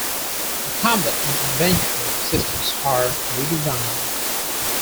The combat and adventure systems are redesigned.